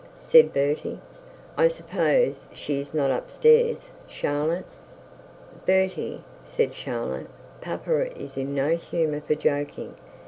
said Bertie. 'I suppose she is not up stairs, Charlotte?' 'Bertie,' said Charlotte, 'papa is in no humour for joking.